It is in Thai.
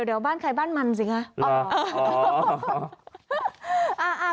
เดี๋ยวบ้านใครบ้านมันสิคะ